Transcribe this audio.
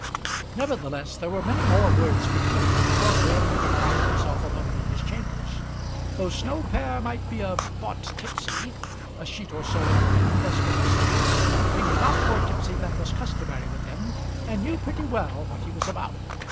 Nevertheless there were many more words between them before Graham could find himself alone in his chambers. Though Snow père might be a thought tipsy a sheet or so in the wind, as folks say, he was not more tipsy than was customary with him, and knew pretty well what he was about.